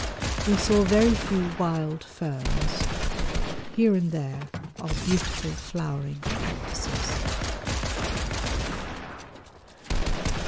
We saw very few wild ferns. Here and there are beautiful flowering cactuses.